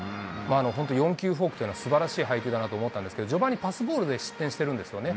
本当、４球フォークというのはすばらしい配球だなと思ったんですけど、序盤にパスボールで失点してるんですよね。